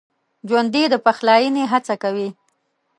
ژوندي د پخلاينې هڅه کوي